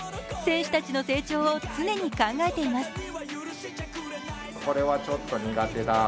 選手たちの成長を常に考えています。